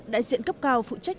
đại diện cấp cao phụ trách